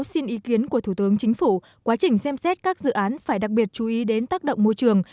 xin ý kiến của thủ tướng chính phủ quá trình xem xét các dự án phải đặc biệt chú ý đến tác động môi trường